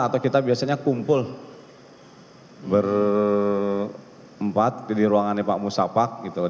atau kita biasanya kumpul berempat di ruangannya pak musafak gitu loh